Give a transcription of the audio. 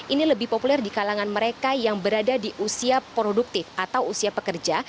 ini lebih populer di kalangan mereka yang berada di usia produktif atau usia pekerja